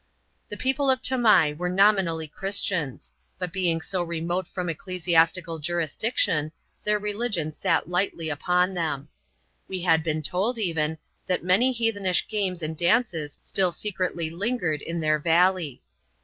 The people of Tamai were nominally Christians ; but being 80 remote from ecclesiastical jurisdiction, their religion sat lightly upon them. We had been told, even, that many heathenish games and dances still secretly lingered in their valley.